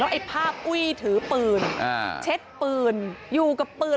ไอ้ภาพอุ้ยถือปืนอ่าเช็ดปืนอยู่กับปืน